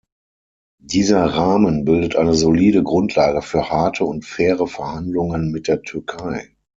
Dieser Rahmen bildet eine solide Grundlage für harte und faire Verhandlungen mit der Türkei.